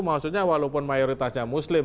maksudnya walaupun mayoritasnya muslim